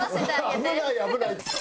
危ない危ない。